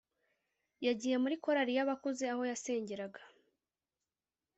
yagiye muri korali y’abakuze aho yasengeraga